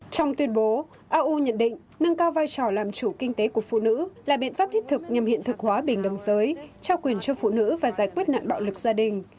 trong tuyên bố au nhận định nâng cao vai trò làm chủ kinh tế của phụ nữ là biện pháp thiết thực nhằm hiện thực hóa bình đồng giới trao quyền cho phụ nữ và giải quyết nạn bạo lực gia đình